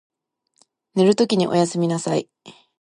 寝るときにおやすみなさい。